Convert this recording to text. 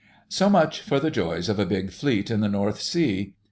"So much for the joys of a big Fleet in the North Sea.